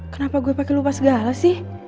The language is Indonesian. kenapa gue pakai lupa segala sih